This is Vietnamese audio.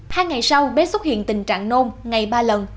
hai ngày sau bé xuất hiện tình trạng nôn ngày ba lần